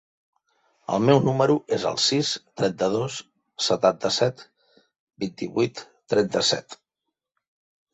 El meu número es el sis, trenta-dos, setanta-set, vint-i-vuit, trenta-set.